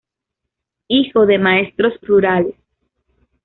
Hijo de maestros rurales.